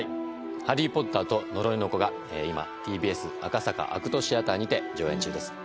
「ハリー・ポッターと呪いの子」が今ＴＢＳ赤坂ＡＣＴシアターにて上映中です